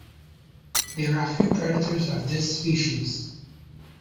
There are few predators of this species.